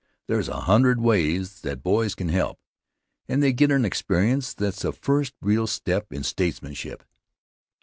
There's a hundred ways that boys can help, and they get an experience that's the first real step in statesmanship.